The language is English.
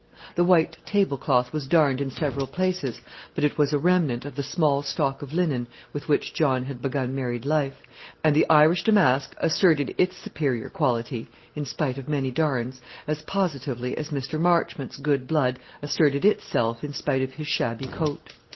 The white table cloth was darned in several places; but it was a remnant of the small stock of linen with which John had begun married life; and the Irish damask asserted its superior quality, in spite of many darns, as positively as Mr. Marchmont's good blood asserted itself in spite of his shabby coat.